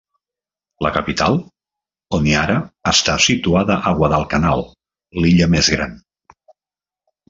La capital, Honiara, està situada a Guadalcanal, l'illa més gran.